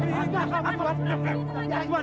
jangan tuhan jangan